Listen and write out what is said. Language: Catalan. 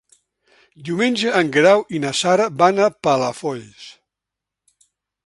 Diumenge en Guerau i na Sara van a Palafolls.